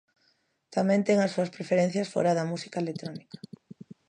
Tamén ten as súas preferencias fóra da música electrónica.